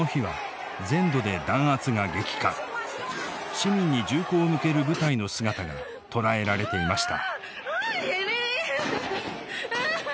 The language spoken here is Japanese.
市民に銃口を向ける部隊の姿が捉えられていました。